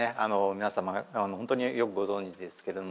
皆様本当によくご存じですけれども。